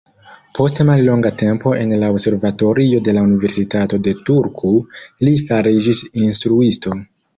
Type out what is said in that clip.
Post mallonga tempo en la observatorio de la universitato de Turku, li fariĝis instruisto.